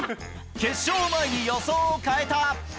決勝を前に予想を変えた。